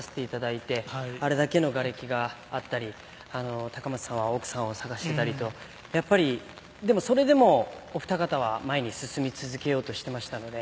あれだけのがれきがあったり、高松さんは奥さんを捜していたりと、それでも、おふた方は前に進み続けようとしていました。